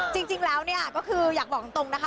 จริงแล้วเนี่ยก็คืออยากบอกตรงนะคะ